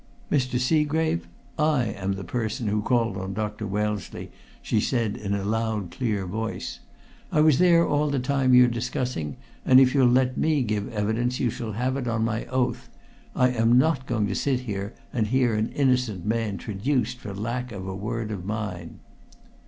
"Mr. Seagrave, I am the person who called on Dr. Wellesley!" she said in a loud, clear voice. "I was there all the time you're discussing, and if you'll let me give evidence you shall have it on my oath. I am not going to sit here and hear an innocent man traduced for lack of a word of mine."